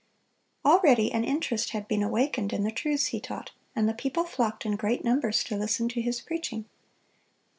Already an interest had been awakened in the truths he taught; and the people flocked in great numbers to listen to his preaching.